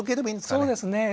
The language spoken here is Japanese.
そうですね。